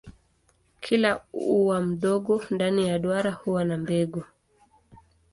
Kila ua mdogo ndani ya duara huwa na mbegu.